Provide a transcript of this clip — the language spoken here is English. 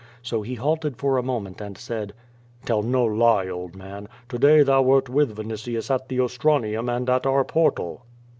So he halted for a moment and said: "Tell no lie, old man. To day thou wert with Vinitius at the Ostranium and at our portal."